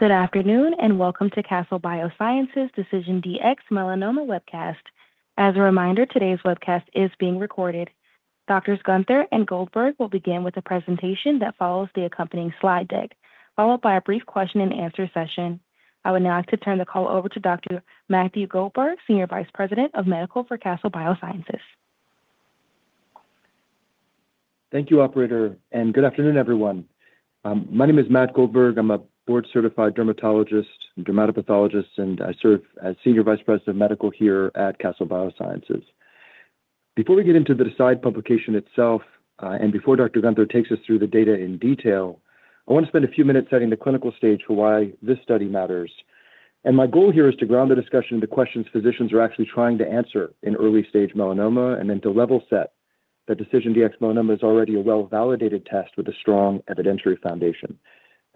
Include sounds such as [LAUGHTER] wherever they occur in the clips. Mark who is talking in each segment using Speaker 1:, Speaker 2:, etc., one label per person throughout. Speaker 1: Good afternoon, and welcome to Castle Biosciences DecisionDx-Melanoma webcast. As a reminder, today's webcast is being recorded. Doctors Guenther and Goldberg will begin with a presentation that follows the accompanying slide deck, followed by a brief question-and-answer session. I would now like to turn the call over to Dr. Matthew Goldberg, Senior Vice President of Medical for Castle Biosciences.
Speaker 2: Thank you, operator, and good afternoon, everyone. My name is Matt Goldberg. I'm a board-certified dermatologist and dermatopathologist, and I serve as Senior Vice President of Medical here at Castle Biosciences. Before we get into the DECIDE publication itself, and before Dr. Guenther takes us through the data in detail, I want to spend a few minutes setting the clinical stage for why this study matters. My goal here is to ground the discussion into questions physicians are actually trying to answer in early-stage melanoma and then to level set that DecisionDx-Melanoma is already a well-validated test with a strong evidentiary foundation.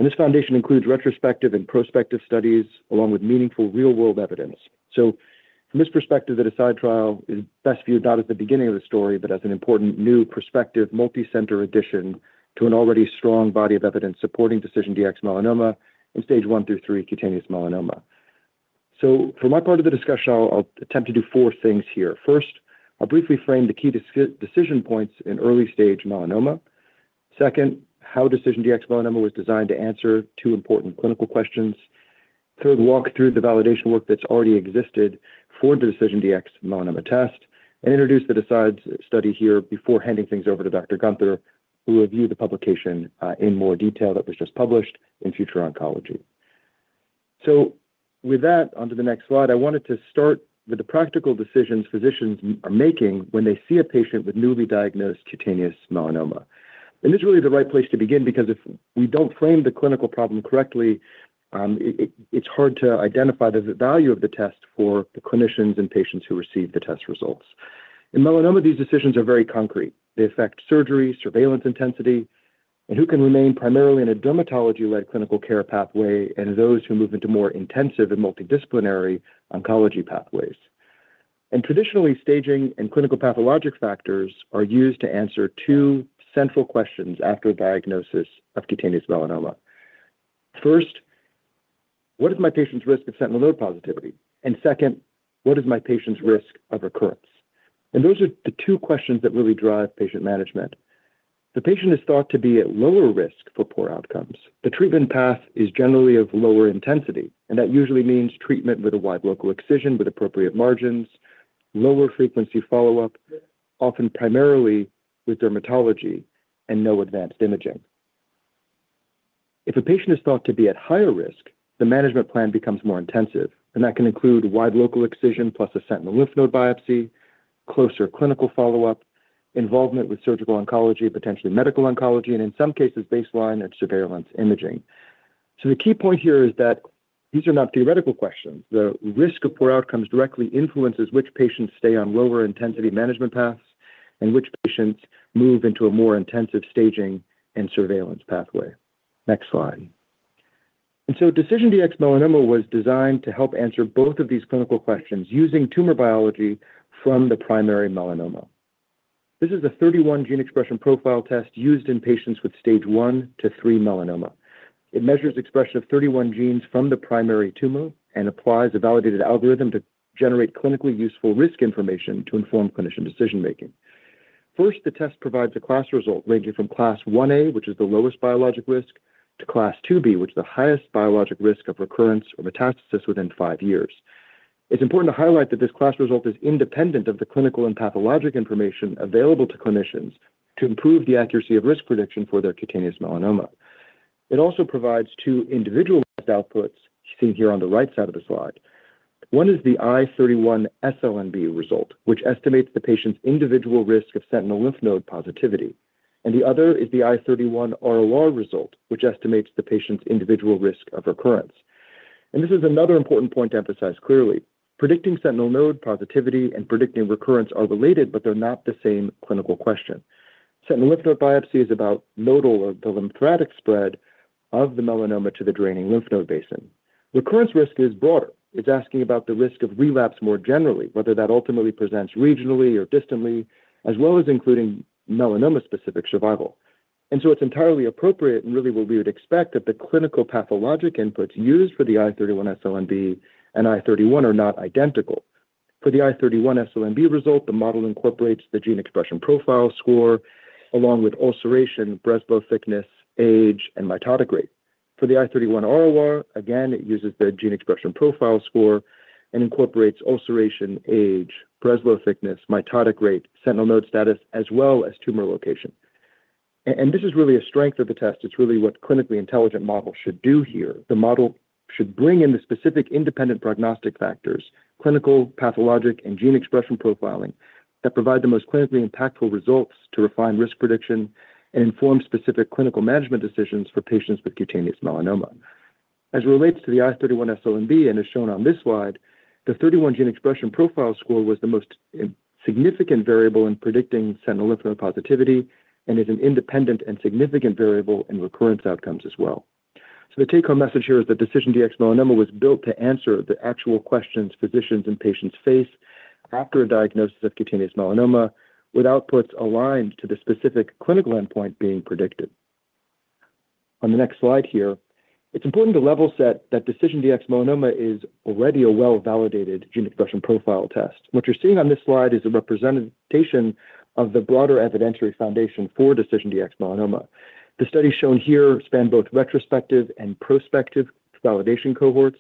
Speaker 2: This foundation includes retrospective and prospective studies along with meaningful real-world evidence. From this perspective, the DECIDE trial is best viewed not as the beginning of the story, but as an important new perspective, multi-center addition to an already strong body of evidence supporting DecisionDx-Melanoma in Stage I through III cutaneous melanoma. For my part of the discussion, I'll attempt to do four things here. First, I'll briefly frame the key decision points in early-stage melanoma. Second, how DecisionDx-Melanoma was designed to answer two important clinical questions. Third, walk through the validation work that's already existed for the DecisionDx-Melanoma test and introduce the DECIDE study here before handing things over to Dr. Guenther, who will review the publication in more detail that was just published in Future Oncology. With that onto the next slide, I wanted to start with the practical decisions physicians are making when they see a patient with newly diagnosed cutaneous melanoma. This is really the right place to begin because if we don't frame the clinical problem correctly, it's hard to identify the value of the test for the clinicians and patients who receive the test results. In melanoma, these decisions are very concrete. They affect surgery, surveillance intensity, and who can remain primarily in a dermatology-led clinical care pathway, and those who move into more intensive and multidisciplinary oncology pathways. Traditionally, staging and clinicopathologic factors are used to answer two central questions after a diagnosis of cutaneous melanoma. First, what is my patient's risk of sentinel node positivity? Second, what is my patient's risk of recurrence? Those are the two questions that really drive patient management. The patient is thought to be at lower risk for poor outcomes. The treatment path is generally of lower intensity, and that usually means treatment with a wide local excision with appropriate margins, lower frequency follow-up, often primarily with dermatology and no advanced imaging. If a patient is thought to be at higher risk, the management plan becomes more intensive, and that can include wide local excision plus a sentinel lymph node biopsy, closer clinical follow-up, involvement with surgical oncology, potentially medical oncology, and in some cases, baseline and surveillance imaging. The key point here is that these are not theoretical questions. The risk of poor outcomes directly influences which patients stay on lower intensity management paths and which patients move into a more intensive staging and surveillance pathway. Next slide. DecisionDx-Melanoma was designed to help answer both of these clinical questions using tumor biology from the primary melanoma. This is a 31-gene expression profile test used in patients with Stage I-III melanoma. It measures expression of 31 genes from the primary tumor and applies a validated algorithm to generate clinically useful risk information to inform clinician decision-making. First, the test provides a class result ranging from Class 1A, which is the lowest biologic risk, to Class 2B, which is the highest biologic risk of recurrence or metastasis within five years. It's important to highlight that this class result is independent of the clinical and pathologic information available to clinicians to improve the accuracy of risk prediction for their cutaneous melanoma. It also provides two individual outputs seen here on the right side of the slide. One is the i31-SLNB result, which estimates the patient's individual risk of sentinel lymph node positivity. The other is the i31-ROR result, which estimates the patient's individual risk of recurrence. This is another important point to emphasize clearly. Predicting sentinel node positivity and predicting recurrence are related, but they're not the same clinical question. Sentinel lymph node biopsy is about nodal or the lymphatic spread of the melanoma to the draining lymph node basin. Recurrence risk is broader. It's asking about the risk of relapse more generally, whether that ultimately presents regionally or distantly, as well as including melanoma-specific survival. It's entirely appropriate and really what we would expect that the clinical pathologic inputs used for the i31-SLNB and i31-ROR are not identical. For the i31-SLNB result, the model incorporates the gene expression profile score along with ulceration, Breslow thickness, age, and mitotic rate. For the i31-ROR, again, it uses the gene expression profile score and incorporates ulceration, age, Breslow thickness, mitotic rate, sentinel node status, as well as tumor location. This is really a strength of the test. It's really what clinically intelligent models should do here. The model should bring in the specific independent prognostic factors, clinical, pathologic, and gene expression profiling that provide the most clinically impactful results to refine risk prediction and inform specific clinical management decisions for patients with cutaneous melanoma. As it relates to the i31-SLNB and as shown on this slide, the 31-gene expression profile score was the most significant variable in predicting sentinel lymph node positivity and is an independent and significant variable in recurrence outcomes as well. The take-home message here is that DecisionDx-Melanoma was built to answer the actual questions physicians and patients face after a diagnosis of cutaneous melanoma with outputs aligned to the specific clinical endpoint being predicted. On the next slide here, it's important to level set that DecisionDx-Melanoma is already a well-validated gene expression profile test. What you're seeing on this slide is a representation of the broader evidentiary foundation for DecisionDx-Melanoma. The studies shown here span both retrospective and prospective validation cohorts,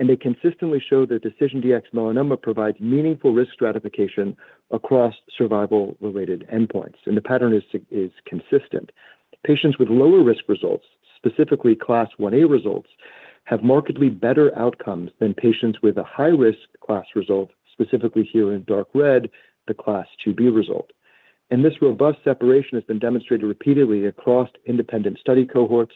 Speaker 2: and they consistently show that DecisionDx-Melanoma provides meaningful risk stratification across survival-related endpoints. The pattern is consistent. Patients with lower risk results, specifically Class 1A results, have markedly better outcomes than patients with a high-risk class result, specifically here in dark red, the Class 2B result. This robust separation has been demonstrated repeatedly across independent study cohorts.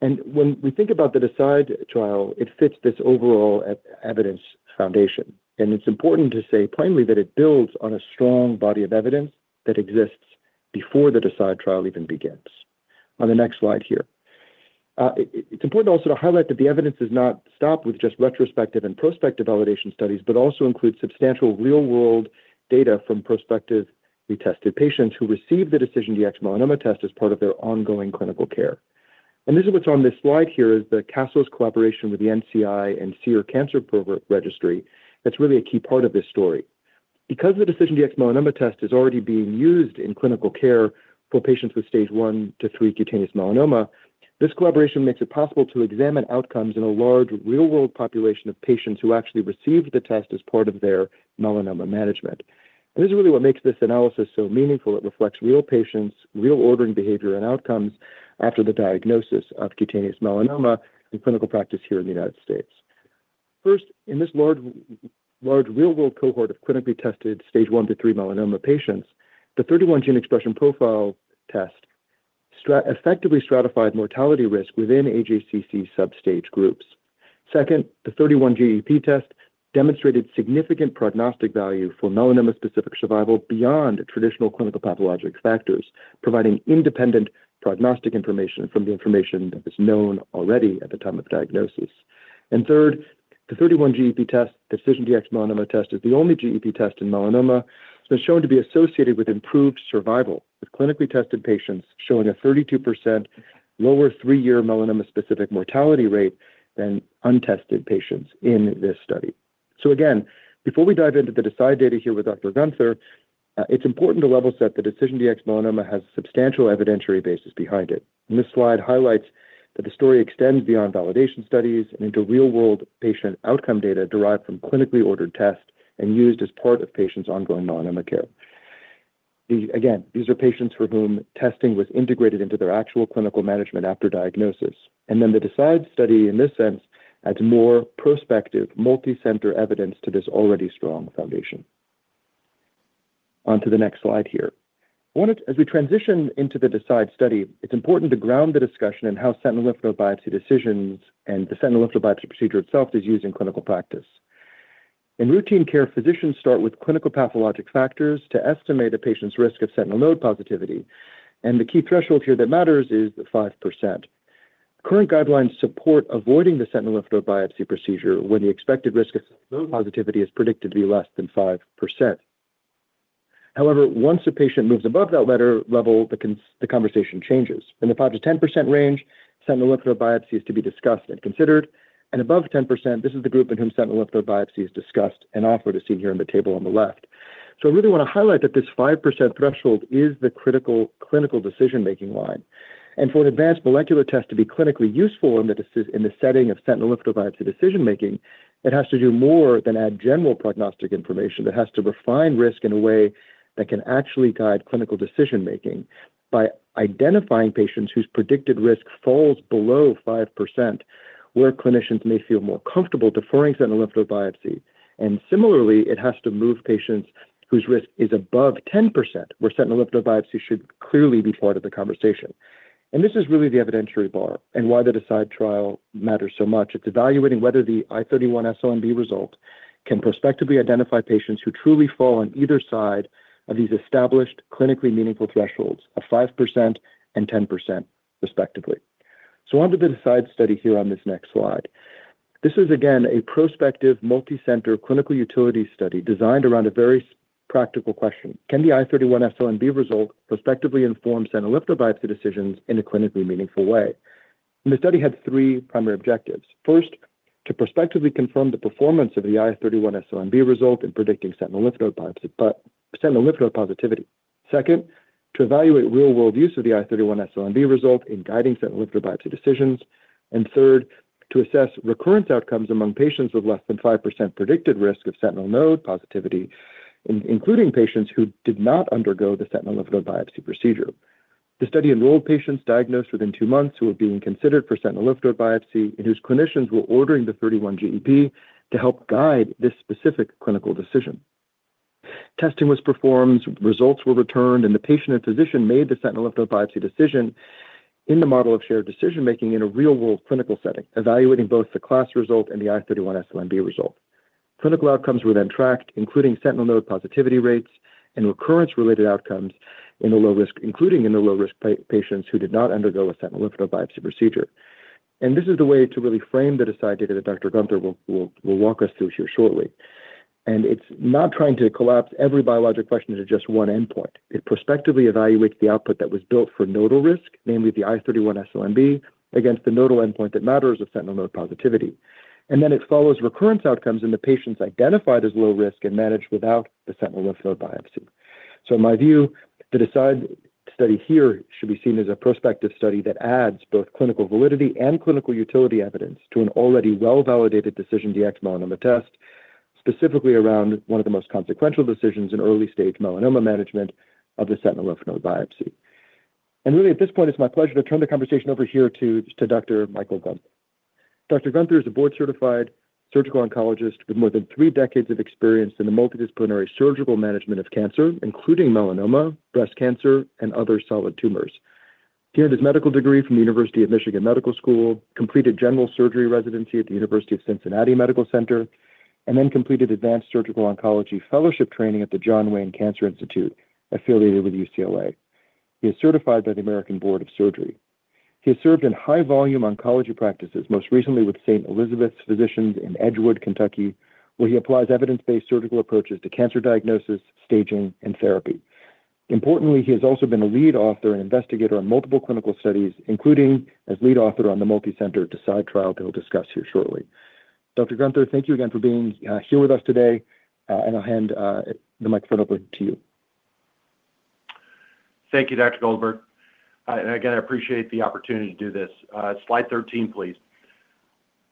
Speaker 2: When we think about the DECIDE trial, it fits this overall evidence foundation. It's important to say plainly that it builds on a strong body of evidence that exists before the DECIDE trial even begins. On the next slide here. It's important also to highlight that the evidence does not stop with just retrospective and prospective validation studies, but also includes substantial real-world data from prospective retested patients who received the DecisionDx-Melanoma test as part of their ongoing clinical care. This is what's on this slide here, the Castle's collaboration with the NCI and SEER Cancer Registry. That's really a key part of this story. Because the DecisionDx-Melanoma test is already being used in clinical care for patients with Stage I-III cutaneous melanoma, this collaboration makes it possible to examine outcomes in a large real-world population of patients who actually received the test as part of their melanoma management. This is really what makes this analysis so meaningful. It reflects real patients, real ordering behavior and outcomes after the diagnosis of cutaneous melanoma in clinical practice here in the United States. First, in this large real-world cohort of clinically tested Stage I-III melanoma patients, the 31-gene expression profile test effectively stratified mortality risk within AJCC sub-stage groups. Second, the 31-GEP test demonstrated significant prognostic value for melanoma-specific survival beyond traditional clinicopathologic factors, providing independent prognostic information from the information that was known already at the time of diagnosis. Third, the 31-GEP test, DecisionDx-Melanoma test, is the only GEP test in melanoma that's shown to be associated with improved survival, with clinically tested patients showing a 32% lower three-year melanoma-specific mortality rate than untested patients in this study. Again, before we dive into the DECIDE data here with Dr. Guenther, it's important to level set that the DecisionDx-Melanoma has substantial evidentiary basis behind it. This slide highlights that the story extends beyond validation studies and into real-world patient outcome data derived from clinically ordered tests and used as part of patients' ongoing melanoma care. Again, these are patients for whom testing was integrated into their actual clinical management after diagnosis. Then the DECIDE study, in this sense, adds more prospective, multi-center evidence to this already strong foundation. On to the next slide here. As we transition into the DECIDE study, it's important to ground the discussion in how sentinel lymph node biopsy decisions and the sentinel lymph node biopsy procedure itself is used in clinical practice. In routine care, physicians start with clinicopathologic factors to estimate a patient's risk of sentinel node positivity, and the key threshold here that matters is the 5%. Current guidelines support avoiding the sentinel lymph node biopsy procedure when the expected risk of node positivity is predicted to be less than 5%. However, once a patient moves above that level, the conversation changes. In the 5%-10% range, sentinel lymph node biopsy is to be discussed and considered. Above 10%, this is the group in whom sentinel lymph node biopsy is discussed and offered, as seen here in the table on the left. I really wanna highlight that this 5% threshold is the critical clinical decision-making line. For an advanced molecular test to be clinically useful in the setting of sentinel lymph node biopsy decision-making, it has to do more than add general prognostic information. It has to refine risk in a way that can actually guide clinical decision-making by identifying patients whose predicted risk falls below 5%, where clinicians may feel more comfortable deferring sentinel lymph node biopsy. Similarly, it has to move patients whose risk is above 10%, where sentinel lymph node biopsy should clearly be part of the conversation. This is really the evidentiary bar and why the DECIDE trial matters so much. It's evaluating whether the i31-SLNB result can prospectively identify patients who truly fall on either side of these established clinically meaningful thresholds of 5% and 10%, respectively. On to the DECIDE study here on this next slide. This is again a prospective multi-center clinical utility study designed around a very practical question. Can the i31-SLNB result prospectively inform sentinel lymph node biopsy decisions in a clinically meaningful way? The study had three primary objectives. First, to prospectively confirm the performance of the i31-SLNB result in predicting sentinel lymph node positivity. Second, to evaluate real-world use of the i31-SLNB result in guiding sentinel lymph node biopsy decisions. Third, to assess recurrence outcomes among patients with less than 5% predicted risk of sentinel node positivity, including patients who did not undergo the sentinel lymph node biopsy procedure. The study enrolled patients diagnosed within two months who were being considered for sentinel lymph node biopsy and whose clinicians were ordering the 31-GEP to help guide this specific clinical decision. Testing was performed, results were returned, and the patient and physician made the sentinel lymph node biopsy decision in the model of shared decision-making in a real-world clinical setting, evaluating both the class result and the i31-SLNB result. Clinical outcomes were then tracked, including sentinel node positivity rates and recurrence-related outcomes in the low-risk, including in the low-risk patients who did not undergo a sentinel lymph node biopsy procedure. This is the way to really frame the DECIDE data that Dr. Guenther will walk us through here shortly. It's not trying to collapse every biologic question into just one endpoint. It prospectively evaluates the output that was built for nodal risk, namely the i31-SLNB, against the nodal endpoint that matters of sentinel node positivity. Then it follows recurrence outcomes in the patients identified as low risk and managed without the sentinel lymph node biopsy. In my view, the DECIDE study here should be seen as a prospective study that adds both clinical validity and clinical utility evidence to an already well-validated DecisionDx-Melanoma test, specifically around one of the most consequential decisions in early-stage melanoma management of the sentinel lymph node biopsy. Really, at this point, it's my pleasure to turn the conversation over here to Dr. Michael Guenther. Dr. Guenther is a board-certified surgical oncologist with more than three decades of experience in the multidisciplinary surgical management of cancer, including melanoma, breast cancer, and other solid tumors. He earned his medical degree from the University of Michigan Medical School, completed general surgery residency at the University of Cincinnati Medical Center, and then completed advanced surgical oncology fellowship training at the John Wayne Cancer Institute, affiliated with UCLA. He is certified by the American Board of Surgery. He has served in high-volume oncology practices, most recently with St. Elizabeth Physicians in Edgewood, Kentucky, where he applies evidence-based surgical approaches to cancer diagnosis, staging, and therapy. Importantly, he has also been a lead author and investigator on multiple clinical studies, including as lead author on the multicenter DECIDE trial that he'll discuss here shortly. Dr. Guenther, thank you again for being here with us today, and I'll hand the microphone over to you.
Speaker 3: Thank you, Dr. Goldberg. And again, I appreciate the opportunity to do this. Slide 13, please.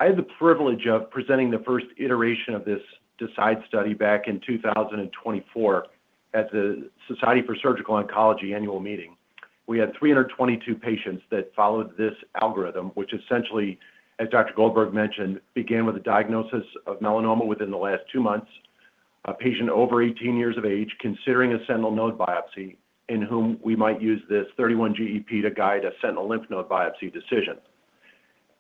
Speaker 3: I had the privilege of presenting the first iteration of this DECIDE study back in 2024 at the Society of Surgical Oncology annual meeting. We had 322 patients that followed this algorithm, which essentially, as Dr. Goldberg mentioned, began with a diagnosis of melanoma within the last two months, a patient over 18 years of age considering a sentinel node biopsy in whom we might use this 31-GEP to guide a sentinel lymph node biopsy decision.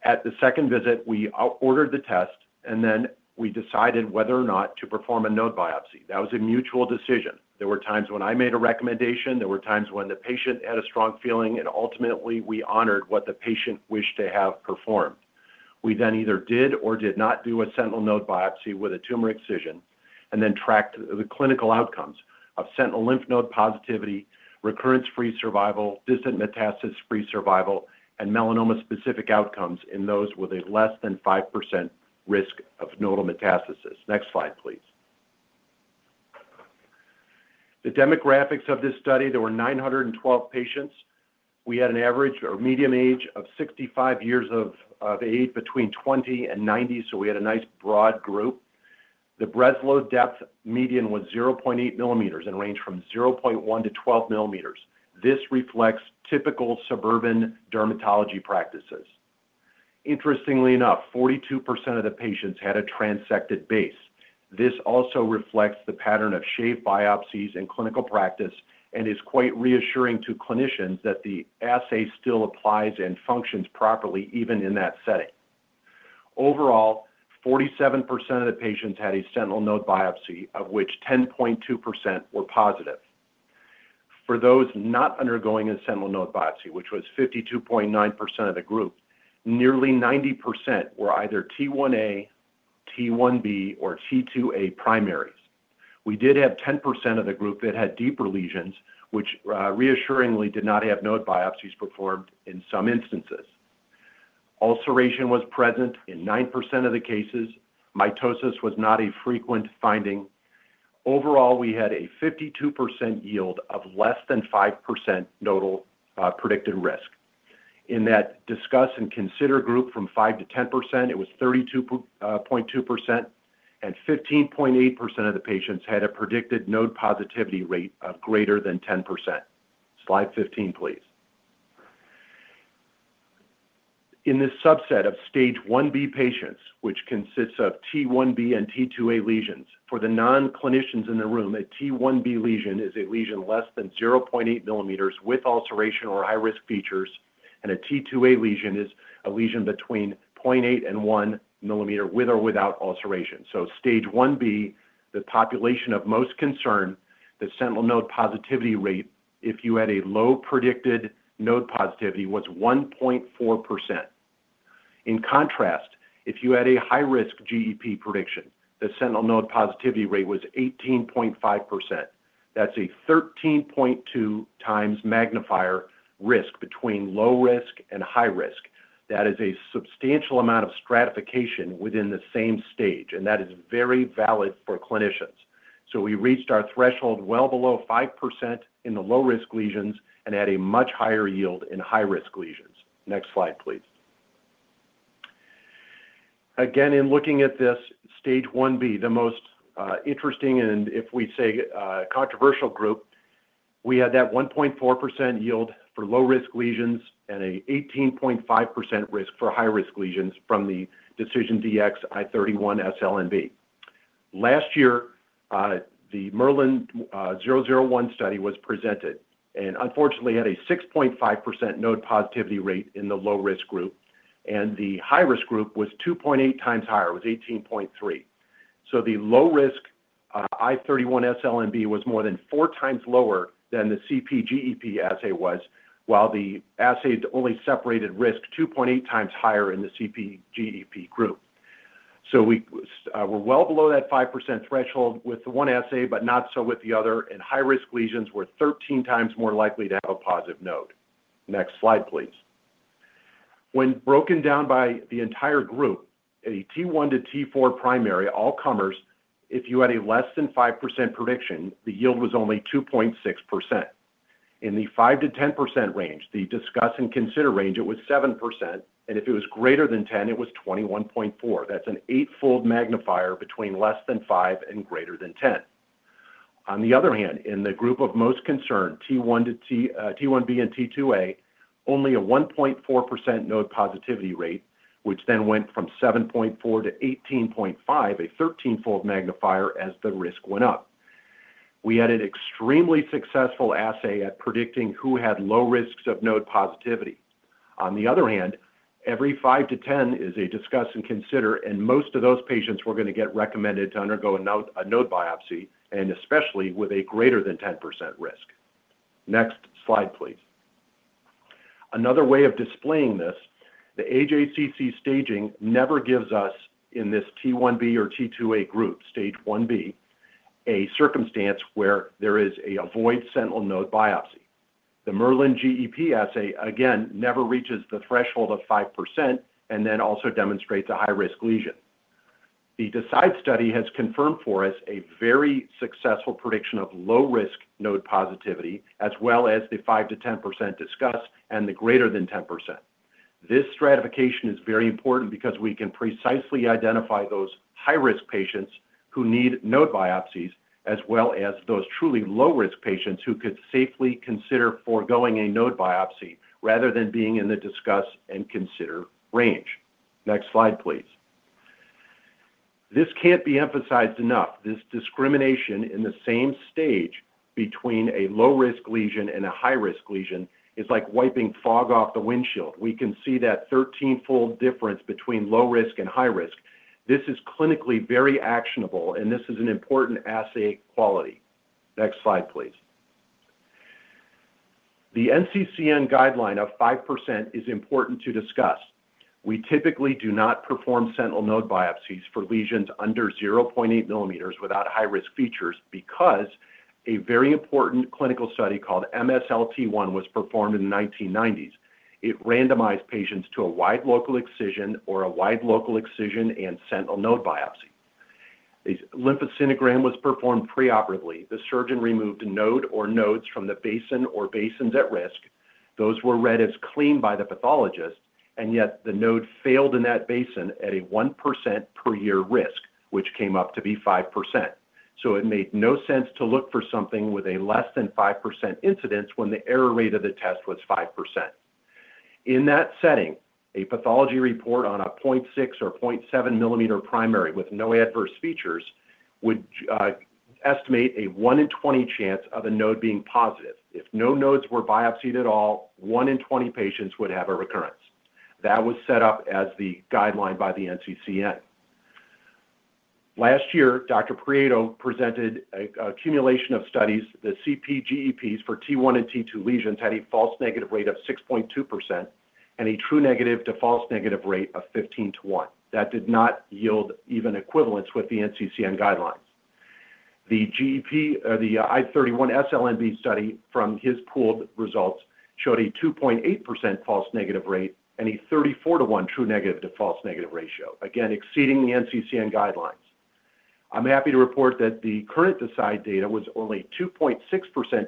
Speaker 3: At the second visit, we ordered the test, and then we decided whether or not to perform a node biopsy. That was a mutual decision. There were times when I made a recommendation. There were times when the patient had a strong feeling, and ultimately, we honored what the patient wished to have performed. We then either did or did not do a sentinel node biopsy with a tumor excision and then tracked the clinical outcomes of sentinel lymph node positivity, recurrence-free survival, distant metastasis-free survival, and melanoma-specific outcomes in those with a less than 5% risk of nodal metastasis. Next slide, please. The demographics of this study. There were 912 patients. We had an average or median age of 65 years of age between 20 and 90, so we had a nice broad group. The Breslow's depth median was 0.8 mm and ranged from 0.1 mm-12 mm. This reflects typical suburban dermatology practices. Interestingly enough, 42% of the patients had a transected base. This also reflects the pattern of shave biopsies in clinical practice and is quite reassuring to clinicians that the assay still applies and functions properly even in that setting. Overall, 47% of the patients had a sentinel node biopsy, of which 10.2% were positive. For those not undergoing a sentinel node biopsy, which was 52.9% of the group, nearly 90% were either T1a, T1b, or T2a primaries. We did have 10% of the group that had deeper lesions, which, reassuringly did not have node biopsies performed in some instances. Ulceration was present in 9% of the cases. Mitosis was not a frequent finding. Overall, we had a 52% yield of less than 5% nodal predicted risk. In that discuss and consider group from 5%-10%, it was 32.2%, and 15.8% of the patients had a predicted node positivity rate of greater than 10%. Slide 15, please. In this subset of Stage IB patients, which consists of T1b and T2a lesions, for the non-clinicians in the room, a T1b lesion is a lesion less than 0.8 mm with ulceration or high-risk features, and a T2a lesion is a lesion between 0.8 and 1 mm with or without ulceration. Stage IB, the population of most concern, the sentinel node positivity rate, if you had a low predicted node positivity, was 1.4%. In contrast, if you had a high-risk GEP prediction, the sentinel node positivity rate was 18.5%. That's a 13.2 times magnified risk between low risk and high risk. That is a substantial amount of stratification within the same stage, and that is very valid for clinicians. We reached our threshold well below 5% in the low-risk lesions and had a much higher yield in high-risk lesions. Next slide, please. Again, in looking at this Stage IB, the most interesting and, if we say, controversial group, we had that 1.4% yield for low-risk lesions and an 18.5% risk for high-risk lesions from the DecisionDx i31-SLNB. Last year, the MERLIN_001 study was presented and unfortunately had a 6.5% node positivity rate in the low-risk group, and the high-risk group was 2.8 times higher. It was 18.3. The low risk i31-SLNB was more than 4 times lower than the CP-GEP assay was, while the assay only separated risk 2.8 times higher in the CP-GEP group. We're well below that 5% threshold with the one assay, but not so with the other, and high-risk lesions were 13 times more likely to have a positive node. Next slide, please. When broken down by the entire group, a T1-T4 primary all-comers, if you had a less than 5% prediction, the yield was only 2.6%. In the 5%-10% range, the discuss and consider range, it was 7%, and if it was greater than 10%, it was 21.4%. That's an 8-fold magnifier between less than 5 and greater than 10. On the other hand, in the group of most concern, T1b and T2a, only a 1.4% node positivity rate, which then went from 7.4%-18.5%, a 13-fold magnifier as the risk went up. We had an extremely successful assay at predicting who had low risks of node positivity. On the other hand, every 5%-10% is a discuss and consider, and most of those patients were going to get recommended to undergo a node biopsy, and especially with a greater than 10% risk. Next slide, please. Another way of displaying this, the AJCC staging never gives us in this T1b or T2a group, Stage IB, a circumstance where we avoid sentinel node biopsy. The Merlin GEP assay, again, never reaches the threshold of 5% and then also demonstrates a high-risk lesion. The DECIDE study has confirmed for us a very successful prediction of low-risk node positivity, as well as the 5%-10% discuss and the greater than 10%. This stratification is very important because we can precisely identify those high-risk patients who need node biopsies, as well as those truly low-risk patients who could safely consider foregoing a node biopsy rather than being in the discuss and consider range. Next slide, please. This can't be emphasized enough. This discrimination in the same stage between a low-risk lesion and a high-risk lesion is like wiping fog off the windshield. We can see that 13-fold difference between low risk and high risk. This is clinically very actionable, and this is an important assay quality. Next slide, please. The NCCN guideline of 5% is important to discuss. We typically do not perform sentinel node biopsies for lesions under 0.8 mm without high-risk features because a very important clinical study called MSLT-I was performed in the 1990s. It randomized patients to a wide local excision or a wide local excision and sentinel node biopsy. A lymphoscintigram was performed pre-operatively. The surgeon removed a node or nodes from the basin or basins at risk. Those were read as clean by the pathologist, and yet the node failed in that basin at a 1% per year risk, which came up to be 5%. It made no sense to look for something with a less than 5% incidence when the error rate of the test was 5%. In that setting, a pathology report on a 0.6-mm or 0.7-mm primary with no adverse features would estimate a one in 20 chance of a node being positive. If no nodes were biopsied at all, one in 20 patients would have a recurrence. That was set up as the guideline by the NCCN. Last year, Dr. Prieto presented an accumulation of studies. The CP-GEPs for T1 and T2 lesions had a false negative rate of 6.2% and a true negative to false negative rate of 15:1. That did not yield even equivalence with the NCCN guidelines. The GEP or the i31-SLNB study from his pooled results showed a 2.8% false negative rate and a 34:1 true negative to false negative ratio, again, exceeding the NCCN guidelines. I'm happy to report that the current DECIDE data was only 2.6%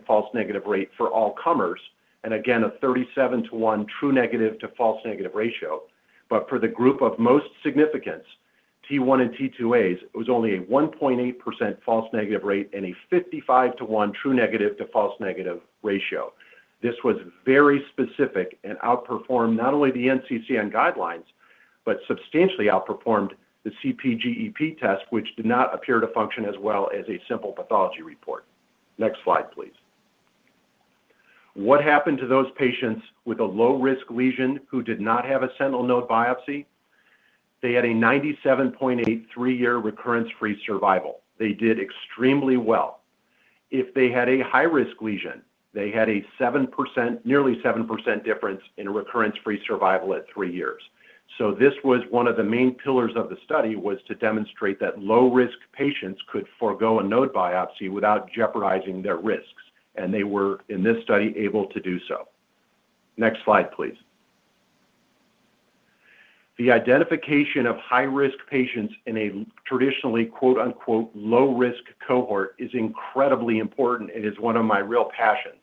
Speaker 3: false negative rate for all comers, and again, a 37:1 true negative to false negative ratio. For the group of most significance, T1 and T2a, it was only a 1.8% false negative rate and a 55:1 true negative to false negative ratio. This was very specific and outperformed not only the NCCN guidelines, but substantially outperformed the CP-GEP test, which did not appear to function as well as a simple pathology report. Next slide, please. What happened to those patients with a low-risk lesion who did not have a sentinel node biopsy? They had a 97.8% 3-year recurrence-free survival. They did extremely well. If they had a high-risk lesion, they had a nearly 7% difference in recurrence-free survival at three years. This was one of the main pillars of the study to demonstrate that low-risk patients could forego a node biopsy without jeopardizing their risks, and they were, in this study, able to do so. Next slide, please. The identification of high-risk patients in a traditionally, quote-unquote, low-risk cohort is incredibly important and is one of my real passions.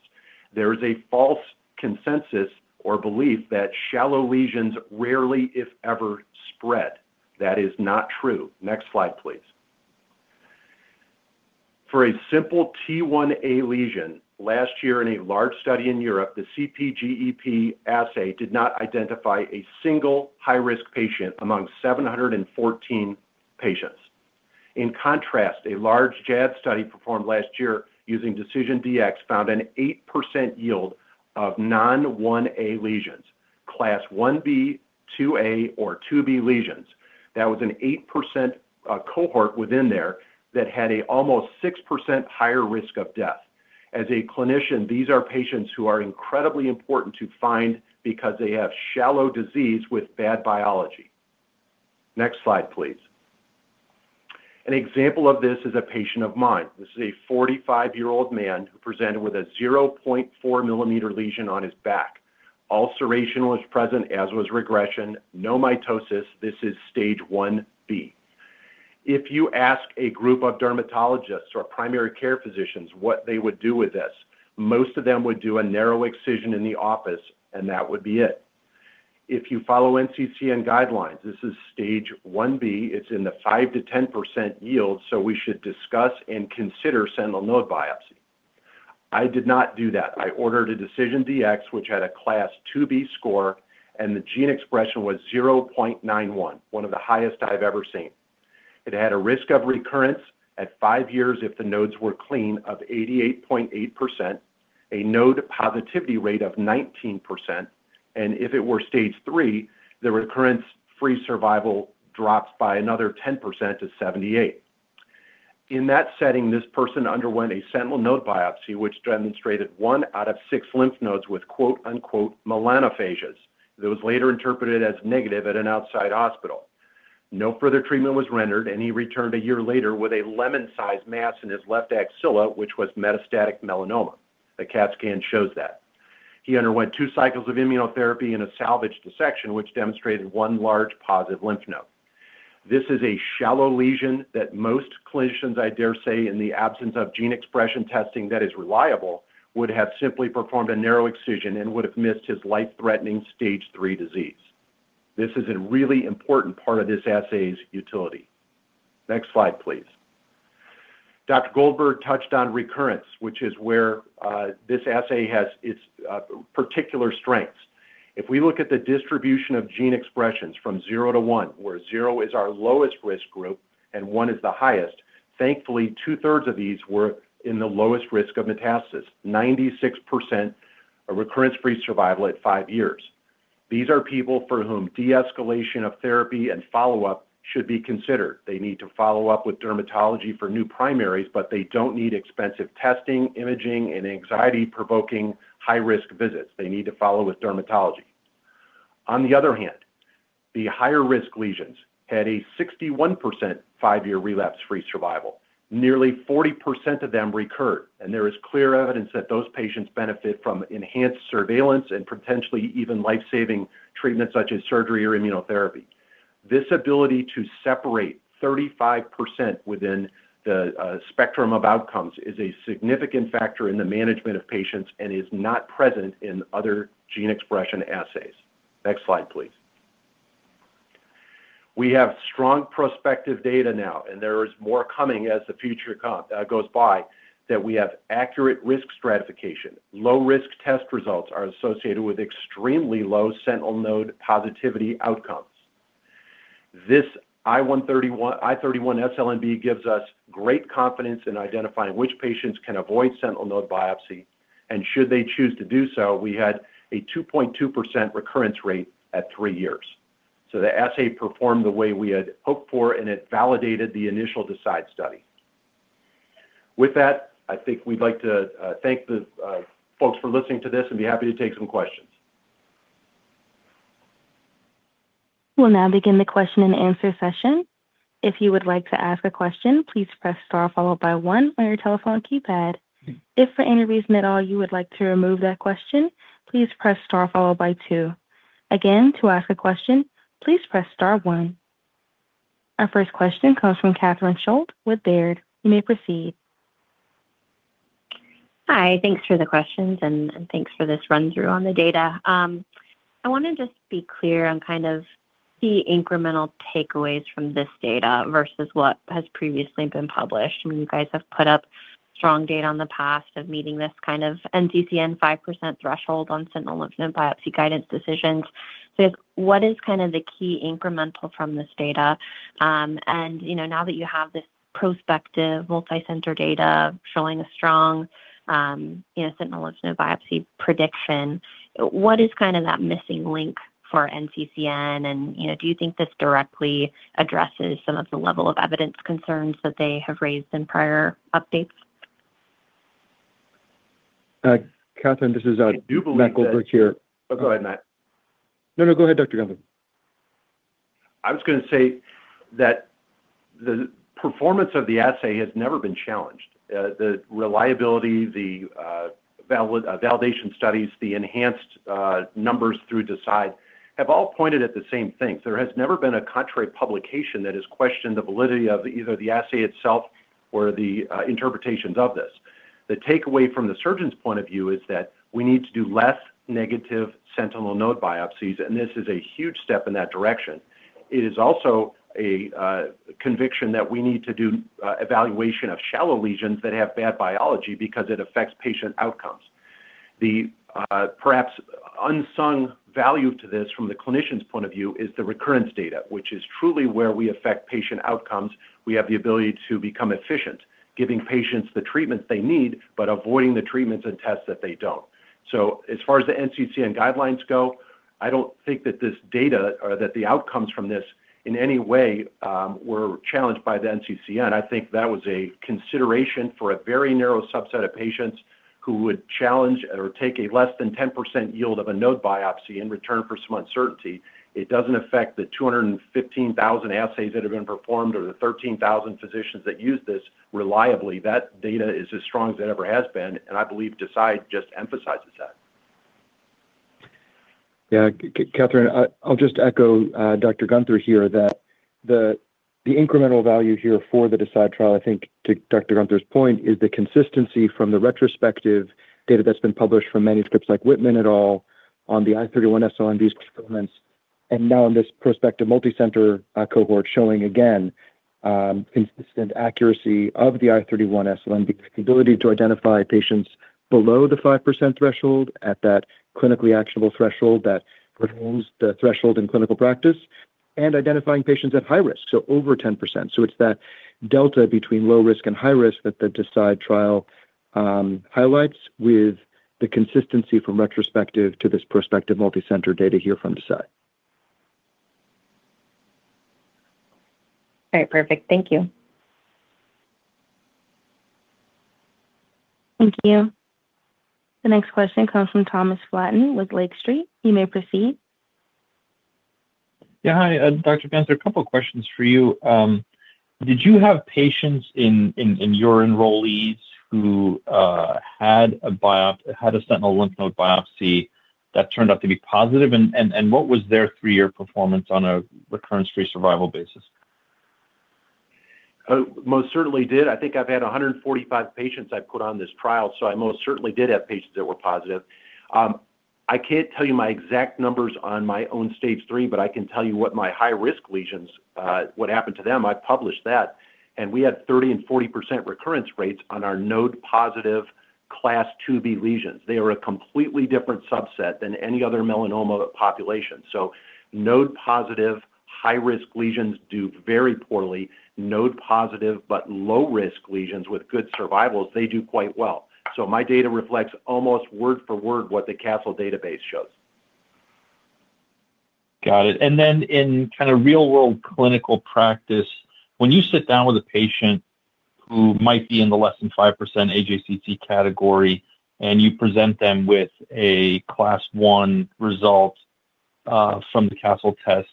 Speaker 3: There is a false consensus or belief that shallow lesions rarely, if ever, spread. That is not true. Next slide, please. For a simple T1a lesion, last year in a large study in Europe, the CP-GEP assay did not identify a single high-risk patient among 714 patients. In contrast, a large JAAD study performed last year using DecisionDx found an 8% yield of non-1A lesions, Class 1B, 2A, or 2B lesions. That was an 8% cohort within there that had almost 6% higher risk of death. As a clinician, these are patients who are incredibly important to find because they have shallow disease with bad biology. Next slide, please. An example of this is a patient of mine. This is a 45-year-old man who presented with a 0.4 mm lesion on his back. Ulceration was present, as was regression. No mitosis. This is Stage IB. If you ask a group of dermatologists or primary care physicians what they would do with this, most of them would do a narrow excision in the office, and that would be it. If you follow NCCN guidelines. This is Stage IB, It's in the 5%-10% yield, so we should discuss and consider sentinel node biopsy. I did not do that. I ordered a DecisionDx, which had a Class 2B score, and the gene expression was 0.91, one of the highest I've ever seen. It had a risk of recurrence at five years if the nodes were clean of 88.8%, a node positivity rate of 19%, and if it were Stage III, the recurrence-free survival drops by another 10%-78%. In that setting, this person underwent a sentinel node biopsy, which demonstrated one out of six lymph nodes with 'melanophages.' It was later interpreted as negative at an outside hospital. No further treatment was rendered, and he returned a year later with a lemon-sized mass in his left axilla, which was metastatic melanoma. The CAT scan shows that. He underwent two cycles of immunotherapy and a salvage dissection, which demonstrated one large positive lymph node. This is a shallow lesion that most clinicians, I dare say, in the absence of gene expression testing that is reliable, would have simply performed a narrow excision and would have missed his life-threatening Stage III disease. This is a really important part of this assay's utility. Next slide, please. Dr. Goldberg touched on recurrence, which is where this assay has its particular strengths. If we look at the distribution of gene expressions from 0-1, where 0 is our lowest risk group and 1 is the highest, thankfully, 2/3 of these were in the lowest risk of metastasis. 96% are recurrence-free survival at 5 years. These are people for whom de-escalation of therapy and follow-up should be considered. They need to follow up with dermatology for new primaries, but they don't need expensive testing, imaging, and anxiety-provoking high-risk visits. They need to follow with dermatology. On the other hand, the higher-risk lesions had a 61% 5-year relapse-free survival. Nearly 40% of them recurred, and there is clear evidence that those patients benefit from enhanced surveillance and potentially even life-saving treatment such as surgery or immunotherapy. This ability to separate 35% within the spectrum of outcomes is a significant factor in the management of patients and is not present in other gene expression assays. Next slide, please. We have strong prospective data now, and there is more coming as the future goes by, that we have accurate risk stratification. Low-risk test results are associated with extremely low sentinel node positivity outcomes. This i31-SLNB gives us great confidence in identifying which patients can avoid sentinel node biopsy. Should they choose to do so, we had a 2.2% recurrence rate at three years. The assay performed the way we had hoped for, and it validated the initial DECIDE study. With that, I think we'd like to thank the folks for listening to this and be happy to take some questions.
Speaker 1: We'll now begin the question-and-answer session. If you would like to ask a question, please press star followed by one on your telephone keypad. If, for any reason at all, you would like to remove that question, please press star followed by two. Again, to ask a question, please press star one. Our first question comes from Catherine Schulte with Baird. You may proceed.
Speaker 4: Hi. Thanks for the questions, and thanks for this run-through on the data. I wanna just be clear on kind of the incremental takeaways from this data versus what has previously been published. I mean, you guys have put up strong data on the basis of meeting this kind of NCCN 5% threshold on sentinel lymph node biopsy guidance decisions. What is kind of the key incremental from this data? You know, now that you have this prospective multicenter data showing a strong, you know, sentinel lymph node biopsy prediction, what is kind of that missing link for NCCN? You know, do you think this directly addresses some of the level of evidence concerns that they have raised in prior updates?
Speaker 2: Catherine, this is Matt Goldberg here.
Speaker 3: Oh, go ahead, Matt.
Speaker 2: No, go ahead, Dr. Guenther.
Speaker 3: I was gonna say that the performance of the assay has never been challenged. The reliability, the validation studies, the enhanced numbers through DECIDE have all pointed at the same thing. There has never been a contrary publication that has questioned the validity of either the assay itself or the interpretations of this. The takeaway from the surgeon's point of view is that we need to do less negative sentinel node biopsies, and this is a huge step in that direction. It is also a conviction that we need to do evaluation of shallow lesions that have bad biology because it affects patient outcomes. The perhaps unsung value to this from the clinician's point of view is the recurrence data, which is truly where we affect patient outcomes. We have the ability to become efficient, giving patients the treatments they need, but avoiding the treatments and tests that they don't. As far as the NCCN guidelines go, I don't think that this data or that the outcomes from this in any way were challenged by the NCCN. I think that was a consideration for a very narrow subset of patients who would challenge or take a less than 10% yield of a node biopsy in return for some uncertainty. It doesn't affect the 215,000 assays that have been performed or the 13,000 physicians that use this reliably. That data is as strong as it ever has been, and I believe DECIDE just emphasizes that.
Speaker 2: Yeah. Catherine, I'll just echo Dr. Guenther here that the incremental value here for the DECIDE trial, I think to Dr. Guenther's point, is the consistency from the retrospective data that's been published from manuscripts like Whitman et al. on the i31-SLNB's performance and now in this prospective multicenter cohort showing again, consistent accuracy of the i31-SLNB, the ability to identify patients below the 5% threshold at that clinically actionable threshold that remains the threshold in clinical practice and identifying patients at high risk, so over 10%. It's that delta between low risk and high risk that the DECIDE trial highlights with the consistency from retrospective to this prospective multicenter data here from DECIDE.
Speaker 4: All right. Perfect. Thank you.
Speaker 1: Thank you. The next question comes from Thomas Flaten with Lake Street. You may proceed.
Speaker 5: Yeah. Hi, Dr. Guenther, a couple of questions for you. Did you have patients in your enrollees who had a sentinel lymph node biopsy that turned out to be positive? What was their three-year performance on a recurrence-free survival basis?
Speaker 3: I most certainly did. I think I've had 145 patients I've put on this trial, so I most certainly did have patients that were positive. I can't tell you my exact numbers on my own Stage III, but I can tell you what my high-risk lesions, what happened to them. I published that, and we had 30% and 40% recurrence rates on our node-positive Class 2B lesions. They are a completely different subset than any other melanoma population. Node-positive high-risk lesions do very poorly. Node-positive but low-risk lesions with good survivals, they do quite well. My data reflects almost word for word what the Castle database shows.
Speaker 5: Got it. Then in kind of real-world clinical practice, when you sit down with a patient who might be in the less than 5% AJCC category and you present them with a Class 1 result from the Castle test,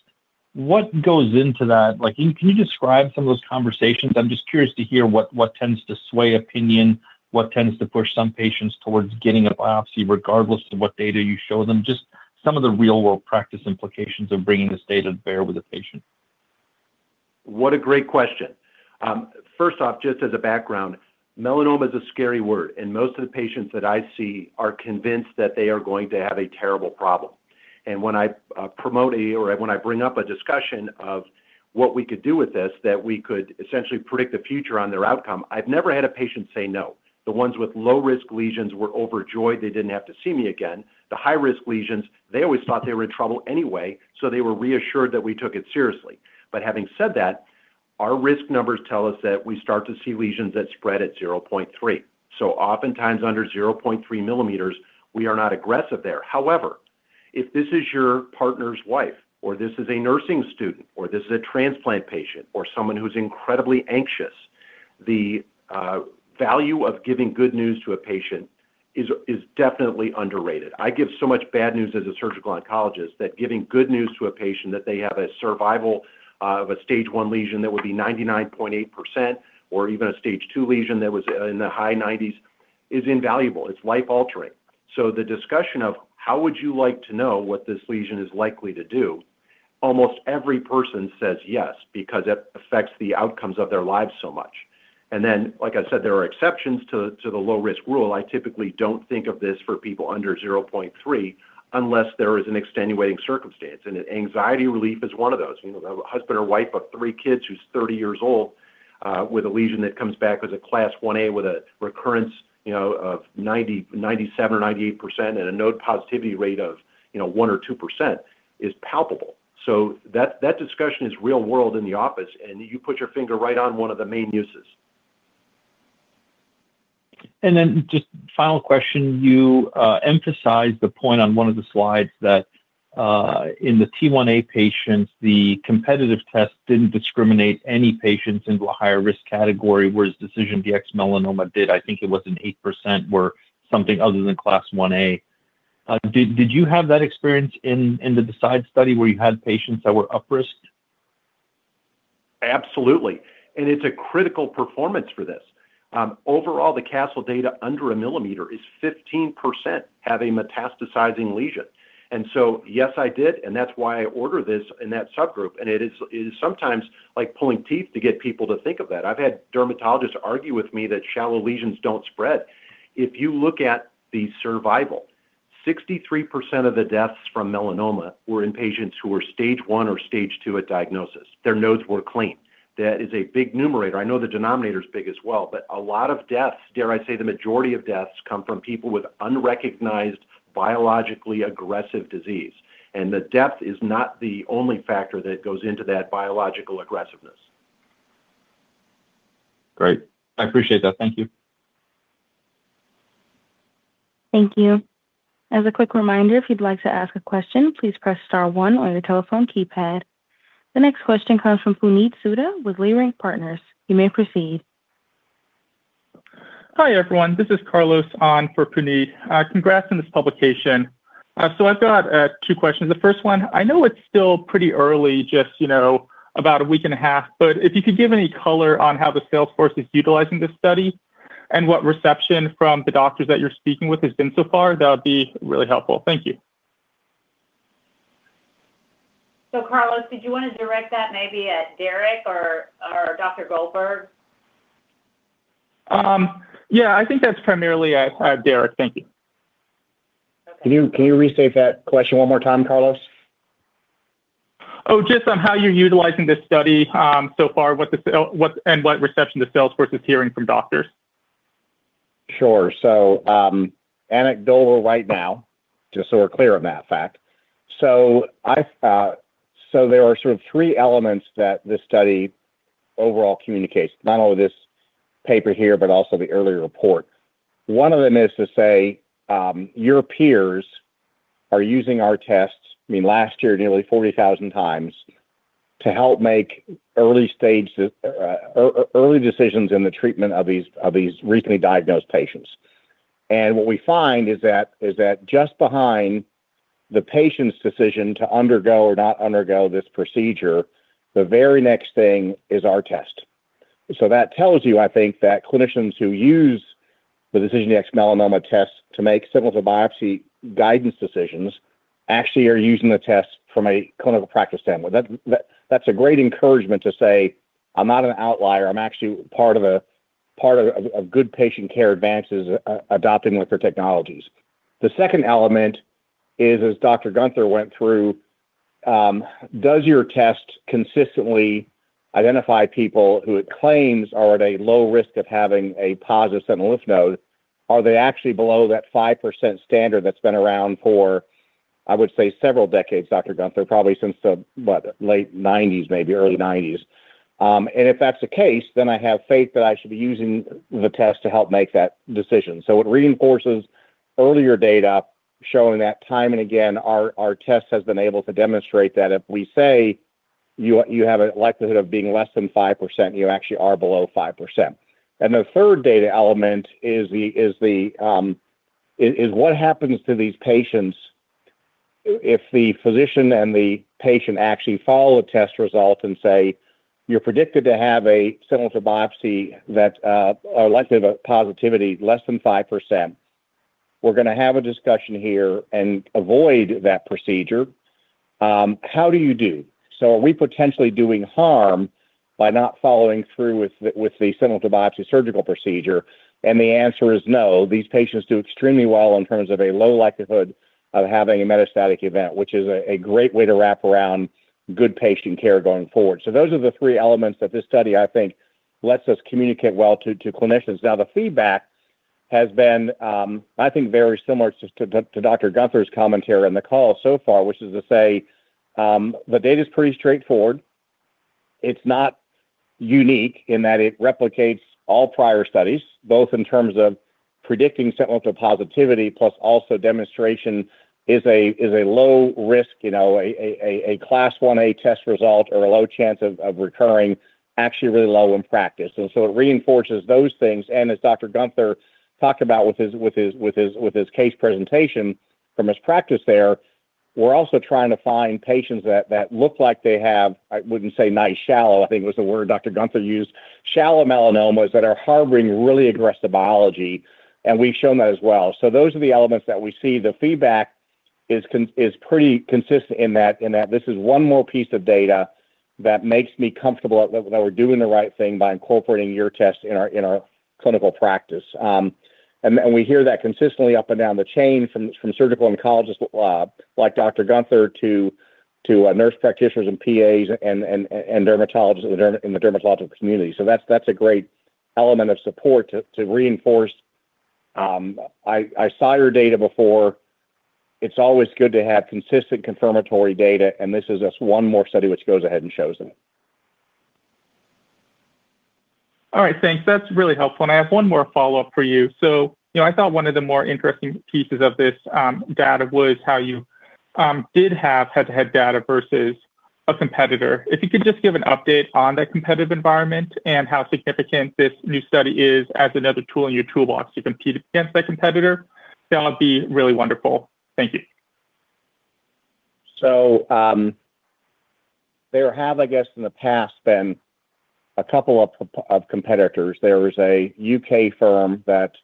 Speaker 5: what goes into that? Like, can you describe some of those conversations? I'm just curious to hear what tends to sway opinion, what tends to push some patients towards getting a biopsy regardless of what data you show them, just some of the real-world practice implications of bringing this data to bear with the patient.
Speaker 3: What a great question. First off, just as a background, melanoma is a scary word, and most of the patients that I see are convinced that they are going to have a terrible problem. When I bring up a discussion of what we could do with this, that we could essentially predict the future on their outcome, I've never had a patient say no. The ones with low-risk lesions were overjoyed they didn't have to see me again. The high-risk lesions, they always thought they were in trouble anyway, so they were reassured that we took it seriously. Having said that, our risk numbers tell us that we start to see lesions that spread at 0.3 mm. Oftentimes under 0.3 mm, we are not aggressive there. However, if this is your partner's wife or this is a nursing student or this is a transplant patient or someone who's incredibly anxious, the value of giving good news to a patient is definitely underrated. I give so much bad news as a surgical oncologist that giving good news to a patient that they have a survival of a Stage I lesion that would be 99.8% or even a Stage II lesion that was in the high 90s is invaluable. It's life-altering. The discussion of how would you like to know what this lesion is likely to do, almost every person says yes because it affects the outcomes of their lives so much. Like I said, there are exceptions to the low-risk rule. I typically don't think of this for people under 0.3 mm unless there is an extenuating circumstance, and anxiety relief is one of those. You know, the husband or wife of three kids who's 30 years old with a lesion that comes back as a Class 1A with a recurrence, you know, of 90%, 97% or 98% and a node positivity rate of, you know, 1% or 2% is palpable. That discussion is real world in the office, and you put your finger right on one of the main uses.
Speaker 5: Just final question. You emphasized the point on one of the slides that in the T1a patients, the competitive test didn't discriminate any patients into a higher risk category, whereas DecisionDx-Melanoma did. I think it was 8% were something other than Class 1A. Did you have that experience in the DECIDE study where you had patients that were up-risked?
Speaker 3: Absolutely. It's a critical performance for this. Overall, the Castle data under 1 mm is 15% have a metastasizing lesion. Yes, I did, and that's why I order this in that subgroup. It is sometimes like pulling teeth to get people to think of that. I've had dermatologists argue with me that shallow lesions don't spread. If you look at the survival, 63% of the deaths from melanoma were in patients who were Stage I or Stage II at diagnosis. Their nodes were clean. That is a big numerator. I know the denominator is big as well, but a lot of deaths, dare I say the majority of deaths, come from people with unrecognized biologically aggressive disease. The death is not the only factor that goes into that biological aggressiveness.
Speaker 5: Great, I appreciate that. Thank you.
Speaker 1: Thank you. As a quick reminder, if you'd like to ask a question, please press star one on your telephone keypad. The next question comes from Puneet Souda with Leerink Partners. You may proceed.
Speaker 6: Hi, everyone. This is Carlos on for Puneet. Congrats on this publication. I've got two questions. The first one, I know it's still pretty early, just, you know, about 1.5 weeks, but if you could give any color on how the sales force is utilizing this study and what reception from the doctors that you're speaking with has been so far, that would be really helpful. Thank you.
Speaker 7: Carlos, did you want to direct that maybe at Derek or Dr. Goldberg?
Speaker 6: Yeah, I think that's primarily at Derek. Thank you.
Speaker 8: Okay. Can you restate that question one more time, Carlos?
Speaker 6: Oh, just on how you're utilizing this study so far, and what reception the sales force is hearing from doctors?
Speaker 8: Sure. Anecdotal right now, just so we're clear on that fact. There are sort of three elements that this study overall communicates. Not only this paper here, but also the earlier report. One of them is to say, your peers are using our tests, I mean, last year, nearly 40,000 times, to help make early stage early decisions in the treatment of these recently diagnosed patients. What we find is that just behind the patient's decision to undergo or not undergo this procedure, the very next thing is our test. That tells you, I think, that clinicians who use the DecisionDx-Melanoma test to make sentinel biopsy guidance decisions actually are using the test from a clinical practice standpoint. That's a great encouragement to say, "I'm not an outlier. I'm actually part of adopting good patient care advances with their technologies." The second element is, as Dr. Guenther went through, does your test consistently identify people who it claims are at a low risk of having a positive sentinel lymph node, are they actually below that 5% standard that's been around for, I would say, several decades, Dr. Guenther, probably since the late 90s, maybe early 90s. If that's the case, then I have faith that I should be using the test to help make that decision. It reinforces earlier data showing that time and again, our test has been able to demonstrate that if we say you have a likelihood of being less than 5%, you actually are below 5%. The third data element is what happens to these patients if the physician and the patient actually follow a test result and say, "You're predicted to have a likelihood of sentinel lymph node biopsy positivity less than 5%. We're gonna have a discussion here and avoid that procedure." How do they do? Are we potentially doing harm by not following through with the sentinel lymph node biopsy surgical procedure? The answer is no. These patients do extremely well in terms of a low likelihood of having a metastatic event, which is a great way to wrap around good patient care going forward. Those are the three elements that this study, I think, lets us communicate well to clinicians. Now, the feedback has been, I think, very similar to Dr. Guenther's commentary on the call so far, which is to say, the data is pretty straightforward. It's not unique in that it replicates all prior studies, both in terms of predicting sentinel to positivity, plus also demonstration of a low risk, you know, a Class 1 test result or a low chance of recurring, actually really low in practice. It reinforces those things. As Dr. Guenther talked about with his case presentation from his practice there, we're also trying to find patients that look like they have, I wouldn't say nice shallow, I think was the word Dr. Guenther used, shallow melanomas that are harboring really aggressive biology, and we've shown that as well. Those are the elements that we see. The feedback is pretty consistent in that this is one more piece of data that makes me comfortable that we're doing the right thing by incorporating your test in our clinical practice. We hear that consistently up and down the chain from surgical oncologists like Dr. Guenther to nurse practitioners and PAs and dermatologists in the dermatological community. That's a great element of support to reinforce. I saw your data before. It's always good to have consistent confirmatory data, and this is just one more study which goes ahead and shows it.
Speaker 6: All right, thanks. That's really helpful. I have one more follow-up for you. You know, I thought one of the more interesting pieces of this data was how you did have head-to-head data versus a competitor. If you could just give an update on that competitive environment and how significant this new study is as another tool in your toolbox to compete against that competitor, that would be really wonderful. Thank you.
Speaker 8: There have, I guess, in the past been a couple of competitors. There was a U.K. firm that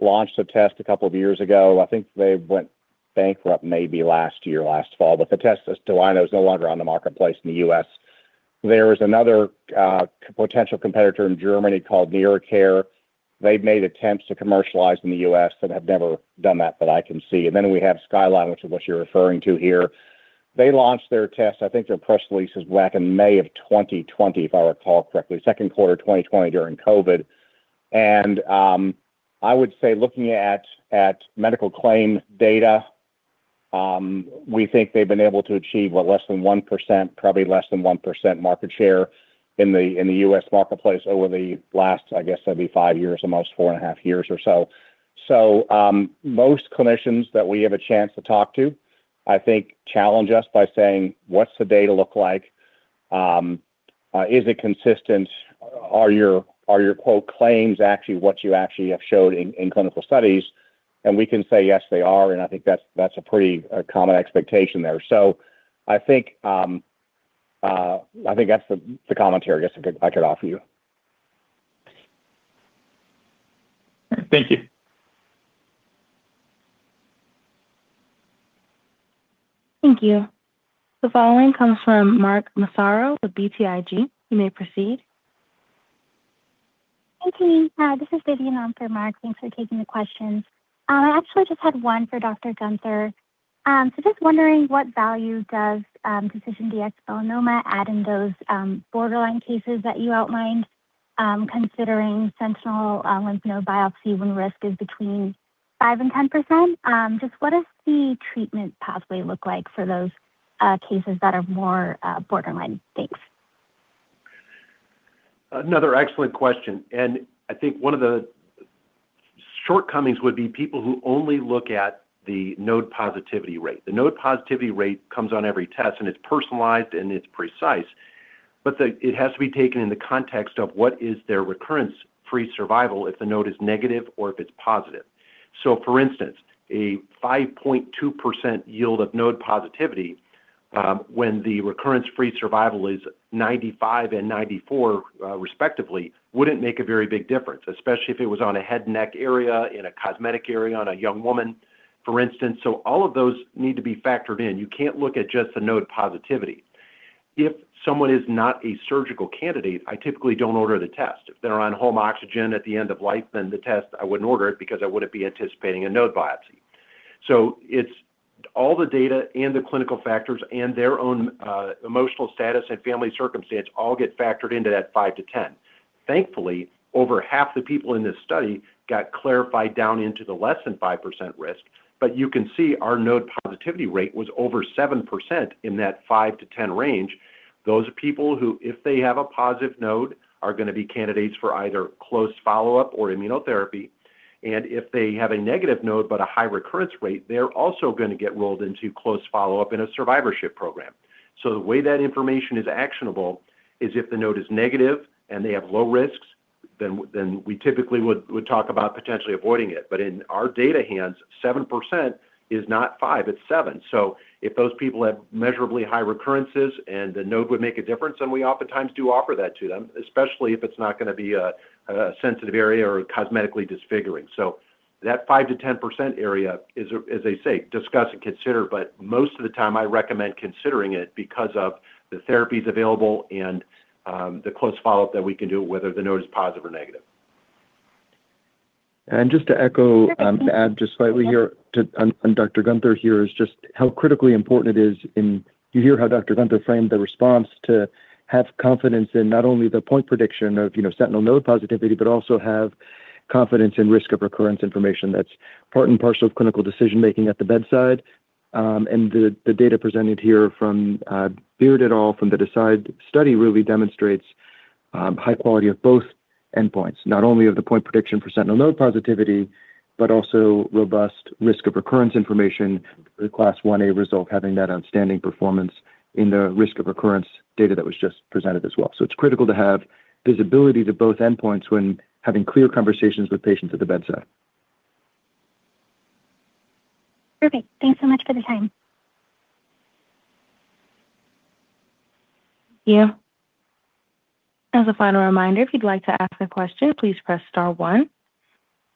Speaker 8: launched a test a couple of years ago. I think they went bankrupt maybe last year, last fall. The test, as, [CROSSTALK] is no longer on the marketplace in the U.S. There is another potential competitor in Germany called NeraCare. They've made attempts to commercialize in the U.S., but have never done that I can see. Then we have SkylineDx, which is what you're referring to here. They launched their test, I think their press release was back in May of 2020, if I recall correctly. Second quarter 2020 during COVID. I would say looking at medical claim data. We think they've been able to achieve, what, less than 1%, probably less than 1% market share in the U.S. marketplace over the last, I guess it'd be five years at most, 4.5 years or so. Most clinicians that we have a chance to talk to, I think, challenge us by saying, "What's the data look like? Is it consistent? Are your quote claims actually what you actually have showed in clinical studies?" We can say, "Yes, they are." I think that's a pretty common expectation there. I think that's the commentary I guess I could offer you.
Speaker 6: Thank you.
Speaker 1: Thank you. The following comes from Mark Massaro with BTIG. You may proceed.
Speaker 9: Thank you. This is Vidyun on for Mark. Thanks for taking the questions. I actually just had one for Dr. Guenther. Just wondering what value does DecisionDx-Melanoma add in those borderline cases that you outlined, considering sentinel lymph node biopsy when risk is between 5% and 10%? Just what does the treatment pathway look like for those cases that are more borderline? Thanks.
Speaker 3: Another excellent question. I think one of the shortcomings would be people who only look at the node positivity rate. The node positivity rate comes on every test, and it's personalized and it's precise, but it has to be taken in the context of what is their recurrence-free survival if the node is negative or if it's positive. For instance, a 5.2% yield of node positivity, when the recurrence-free survival is 95% and 94%, respectively, wouldn't make a very big difference, especially if it was on a head and neck area, in a cosmetic area on a young woman, for instance. All of those need to be factored in. You can't look at just the node positivity. If someone is not a surgical candidate, I typically don't order the test. If they're on home oxygen at the end of life, then the test, I wouldn't order it because I wouldn't be anticipating a node biopsy. It's all the data and the clinical factors and their own emotional status and family circumstance all get factored into that 5%-10%. Thankfully, over half the people in this study got clarified down into the less than 5% risk, but you can see our node positivity rate was over 7% in that 5%-10% range. Those people who, if they have a positive node, are gonna be candidates for either close follow-up or immunotherapy. If they have a negative node but a high recurrence rate, they're also gonna get rolled into close follow-up in a survivorship program. The way that information is actionable is if the node is negative and they have low risks, then we typically would talk about potentially avoiding it. In our data hands, 7% is not 5%, it's 7%. If those people have measurably high recurrences and the node would make a difference, then we oftentimes do offer that to them, especially if it's not gonna be a sensitive area or cosmetically disfiguring. That 5%-10% area is, as they say, discuss and consider, but most of the time I recommend considering it because of the therapies available and the close follow-up that we can do, whether the node is positive or negative.
Speaker 2: Just to echo, to add just slightly here on Dr. Guenther is just how critically important it is. You hear how Dr. Guenther framed the response to have confidence in not only the point prediction of, you know, sentinel node positivity, but also have confidence in risk of recurrence information. That's part and parcel of clinical decision-making at the bedside. The data presented here from Beaird et al. from the DECIDE study really demonstrates high quality of both endpoints, not only of the point prediction for sentinel node positivity, but also robust risk of recurrence information, the Class 1A result having that outstanding performance in the risk of recurrence data that was just presented as well. It's critical to have visibility to both endpoints when having clear conversations with patients at the bedside.
Speaker 9: Perfect. Thanks so much for the time.
Speaker 1: Thank you. As a final reminder, if you'd like to ask a question, please press star one.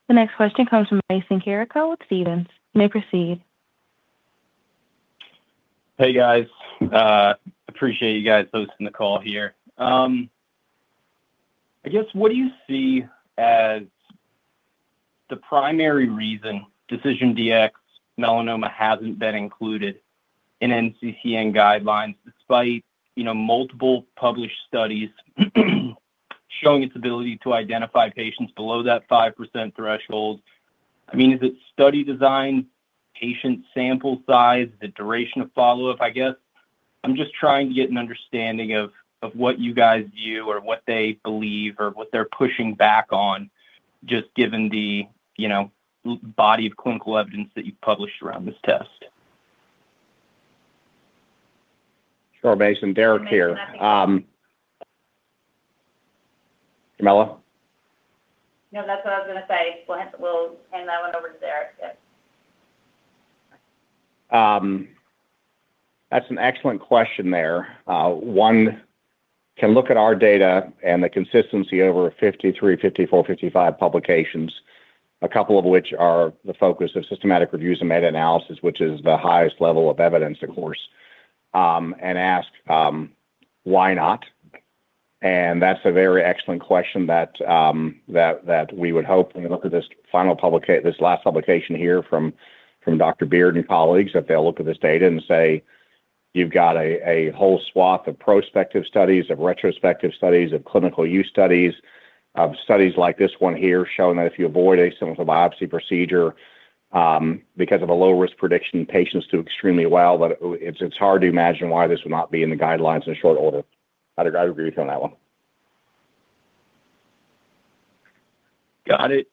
Speaker 1: The next question comes from Mason Carrico with Stephens. You may proceed.
Speaker 10: Hey, guys. Appreciate you guys hosting the call here. I guess what do you see as the primary reason DecisionDx-Melanoma hasn't been included in NCCN guidelines despite, you know, multiple published studies showing its ability to identify patients below that 5% threshold? I mean, is it study design, patient sample size, the duration of follow-up, I guess? I'm just trying to get an understanding of what you guys view or what they believe or what they're pushing back on just given the, you know, large body of clinical evidence that you've published around this test.
Speaker 8: Sure, Mason. Derek here. Camilla?
Speaker 7: No, that's what I was gonna say. We'll hand that one over to Derek, yeah.
Speaker 8: That's an excellent question there. One can look at our data and the consistency over 53-55 publications, a couple of which are the focus of systematic reviews and meta-analysis, which is the highest level of evidence, of course, and ask why not? That's a very excellent question that we would hope when we look at this last publication here from Dr. Beaird and colleagues, that they'll look at this data and say, "You've got a whole swath of prospective studies, of retrospective studies, of clinical use studies. Of studies like this one here showing that if you avoid a sentinel biopsy procedure, because of a low-risk prediction, patients do extremely well." It's hard to imagine why this would not be in the guidelines in short order. I'd agree with you on that one.
Speaker 10: Got it.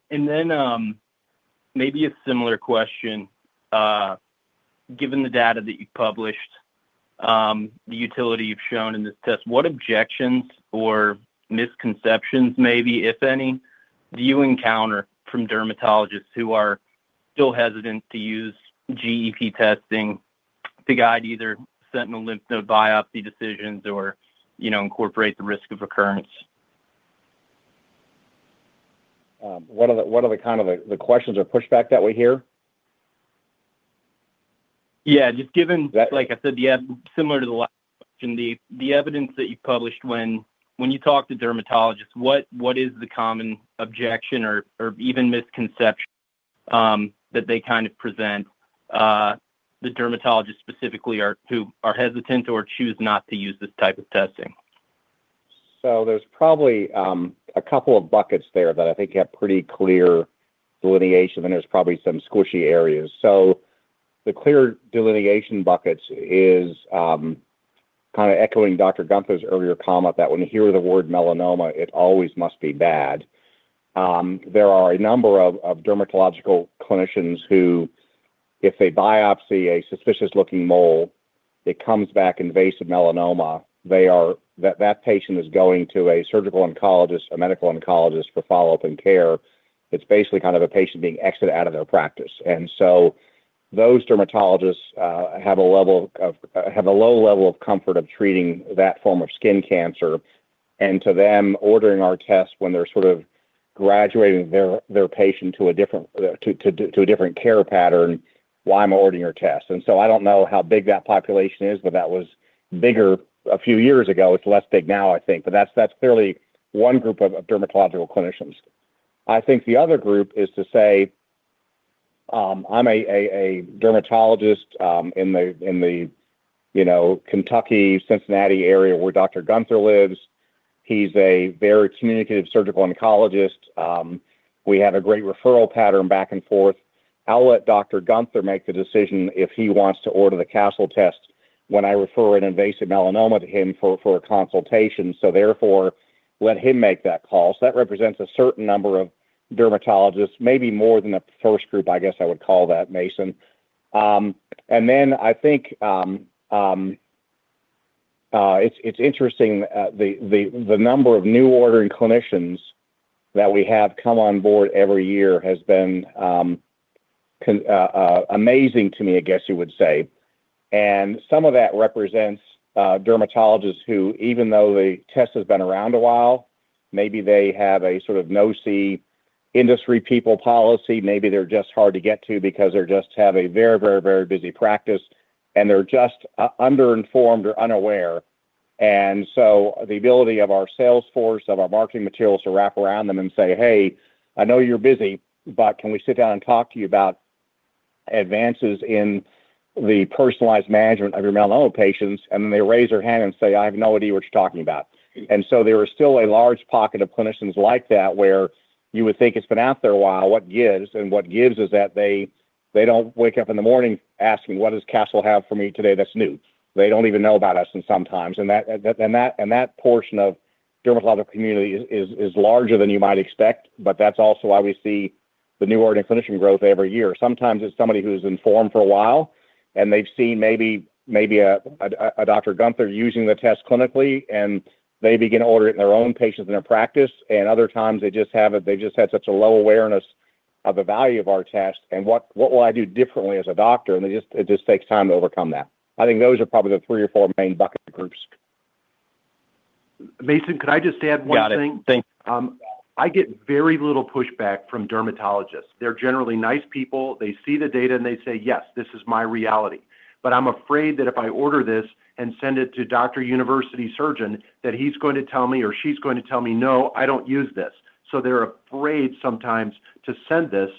Speaker 10: Maybe a similar question. Given the data that you published, the utility you've shown in this test, what objections or misconceptions maybe, if any, do you encounter from dermatologists who are still hesitant to use GEP testing to guide either sentinel lymph node biopsy decisions or, you know, incorporate the risk of recurrence?
Speaker 8: What are the kind of questions or pushback that we hear?
Speaker 10: Yeah. Like I said, similar to the last question, the evidence that you published, when you talk to dermatologists, what is the common objection or even misconception that they kind of present, the dermatologists specifically are who are hesitant or choose not to use this type of testing?
Speaker 8: There's probably a couple of buckets there that I think have pretty clear delineation, and there's probably some squishy areas. The clear delineation buckets is kind of echoing Dr. Guenther's earlier comment that when you hear the word melanoma, it always must be bad. There are a number of dermatological clinicians who, if they biopsy a suspicious-looking mole that comes back invasive melanoma, that patient is going to a surgical oncologist, a medical oncologist for follow-up and care. It's basically kind of a patient being exited out of their practice. Those dermatologists have a low level of comfort of treating that form of skin cancer. To them, ordering our tests when they're sort of graduating their patient to a different care pattern, "Why am I ordering your test?" I don't know how big that population is, but that was bigger a few years ago. It's less big now, I think. That's clearly one group of dermatological clinicians. I think the other group is to say, "I'm a dermatologist in the you know Kentucky, Cincinnati area where Dr. Guenther lives. He's a very communicative surgical oncologist. We have a great referral pattern back and forth. I'll let Dr. Guenther make the decision if he wants to order the Castle test when I refer an invasive melanoma to him for a consultation. Therefore, let him make that call. That represents a certain number of dermatologists, maybe more than the first group, I guess I would call that, Mason. Then I think it's interesting, the number of new ordering clinicians that we have come on board every year has been amazing to me, I guess you would say. Some of that represents dermatologists who, even though the test has been around a while, maybe they have a sort of no see industry people policy. Maybe they're just hard to get to because they just have a very busy practice, and they're just under-informed or unaware. The ability of our sales force, of our marketing materials to wrap around them and say, "Hey, I know you're busy, but can we sit down and talk to you about advances in the personalized management of your melanoma patients?" They raise their hand and say, "I have no idea what you're talking about." There is still a large pocket of clinicians like that where you would think it's been out there a while, what gives? What gives is that they don't wake up in the morning asking, "What does Castle have for me today that's new?" They don't even know about us and sometimes. That portion of dermatologic community is larger than you might expect, but that's also why we see the new ordering clinician growth every year. Sometimes it's somebody who's been formed for a while, and they've seen maybe Dr. Guenther using the test clinically, and they begin to order it in their own patients in their practice. Other times they just haven't. They've just had such a low awareness of the value of our test and what will I do differently as a doctor? It just takes time to overcome that. I think those are probably the three or four main bucket groups.
Speaker 3: Mason, could I just add one thing?
Speaker 10: Got it. Thank you.
Speaker 3: I get very little pushback from dermatologists. They're generally nice people. They see the data, and they say, "Yes, this is my reality. But I'm afraid that if I order this and send it to Dr. University Surgeon, that he's going to tell me or she's going to tell me, 'No, I don't use this.'" They're afraid sometimes to send this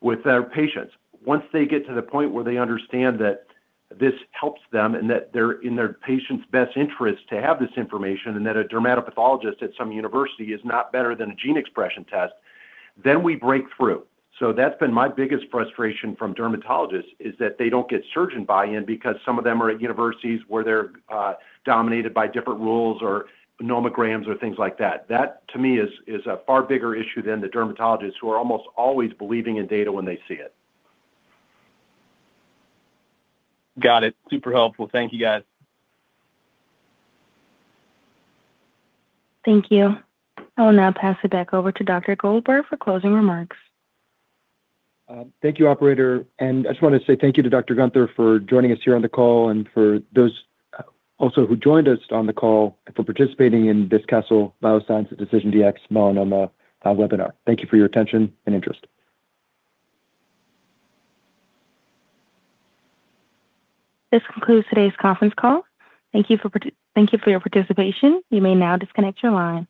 Speaker 3: with their patients. Once they get to the point where they understand that this helps them and that they're in their patient's best interest to have this information, and that a dermatopathologist at some university is not better than a gene expression test, then we break through. That's been my biggest frustration from dermatologists, is that they don't get surgeon buy-in because some of them are at universities where they're dominated by different rules or nomograms or things like that. That, to me, is a far bigger issue than the dermatologists who are almost always believing in data when they see it.
Speaker 10: Got it. Super helpful. Thank you, guys.
Speaker 1: Thank you. I will now pass it back over to Dr. Goldberg for closing remarks.
Speaker 2: Thank you, operator. I just wanted to say thank you to Dr. Guenther for joining us here on the call and for those also who joined us on the call and for participating in this Castle Biosciences DecisionDx-Melanoma webinar. Thank you for your attention and interest.
Speaker 1: This concludes today's conference call. Thank you for your participation. You may now disconnect your line.